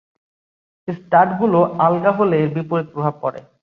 স্টাডগুলো আলগা হলে এর বিপরীত প্রভাব পড়ে।